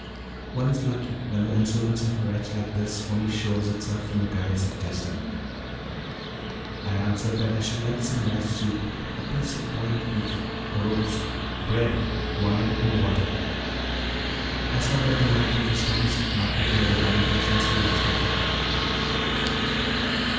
One is lucky when the insolence of a wretch like this only shews itself in the guise of jesting. I answered that I should like some rice soup, a piece of boiled beef, a roast, bread, wine, and water. I saw that the lout was astonished not to hear the lamentations he expected.